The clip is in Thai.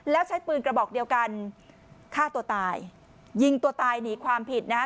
แล้วใช้ปืนกระบอกเดียวกันฆ่าตัวตายยิงตัวตายหนีความผิดนะฮะ